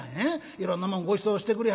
いろんなもんごちそうしてくれはって。